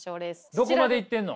どこまでいってんの？